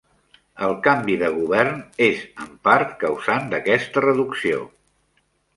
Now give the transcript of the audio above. El canvi de govern és, en part, causant d'aquesta reducció.